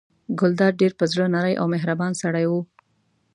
ګلداد ډېر په زړه نری او مهربان سړی و.